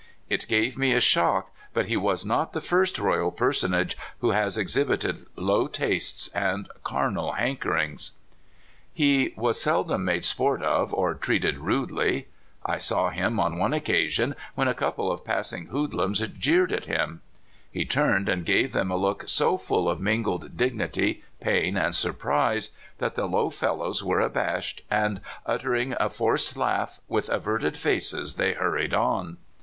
It gave me a shock, but he was not the first royal personage who has exhibited low tastes and carnal hankerings. He was seldom made sport of or treated rudely. THE EMPEROR NORTON. 2I9 I saw him on one occasion when a couple of pass ing hoodlums jeered at him. He turned and gave them a look so full of mingled dignity, pain, and surprise that the low fellows were abashed, and uttering a forced laugh, with averted faces they hurried on.